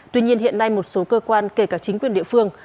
tuy nhiên hiện nay một số cơ quan kể cả chính quyền địa phương